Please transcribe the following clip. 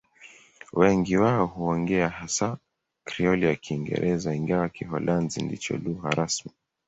Wengi wao huongea hasa Krioli ya Kiingereza, ingawa Kiholanzi ndicho lugha rasmi.